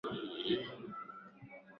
Kuna mtu atakaye kunipinga?